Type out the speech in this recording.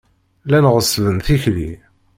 Llan ɣeṣṣben tikli.